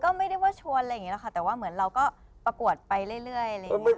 ก็ไม่ได้ว่าชวนอะไรอย่างนี้หรอกค่ะแต่ว่าเหมือนเราก็ประกวดไปเรื่อยอะไรอย่างนี้